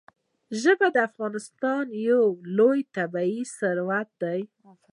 ژبې د افغانستان یو لوی طبعي ثروت دی.